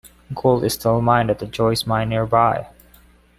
Gold is still mined at the Joyce Mine nearby.